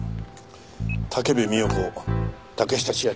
武部美代子竹下千晶